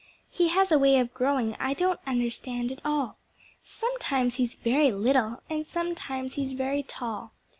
He has a way of growing, I don't understand at all. Sometimes he's very little and sometimes he's very tall.